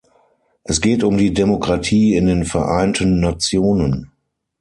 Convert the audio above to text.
Es geht um die Demokratie in den Vereinten Nationen.